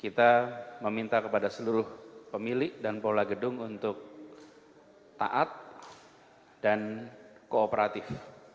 kita meminta kepada seluruh pemilik dan pola gedung untuk taat dan kooperatif